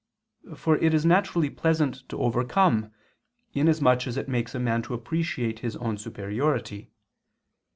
For it is naturally pleasant to overcome, inasmuch as it makes a man to appreciate his own superiority.